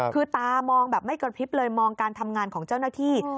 คือตามองแบบไม่กระพริบเลยมองการทำงานของเจ้าหน้าที่